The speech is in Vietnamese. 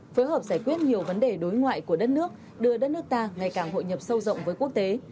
phối hợp giải quyết nhiều vấn đề đối ngoại của đất nước đưa đất nước ta ngày càng hội nhập sâu rộng với quốc tế